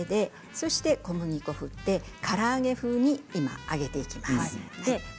そして小麦粉を振ってから揚げ風に揚げていきます。